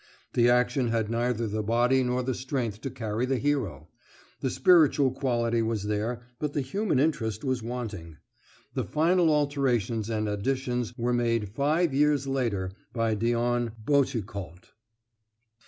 The action had neither the body nor the strength to carry the hero; the spiritual quality was there, but the human interest was wanting. The final alterations and additions were made five years later by Dion Boucicault.